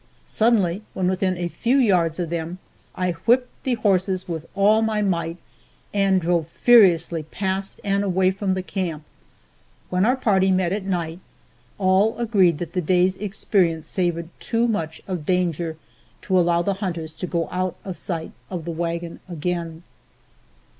Suddenly, when within a few yards of them, I whipped the horses with all my might, and drove furiously past and away from the camp. When our party met at night, all agreed that the day's experience savored too much of danger to allow the hunters to go out of sight of the wagon again.